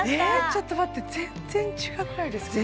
ちょっと待って全然違くないですか？